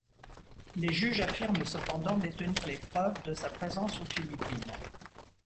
Les juges affirment cependant détenir les preuves de sa présence aux Philippines.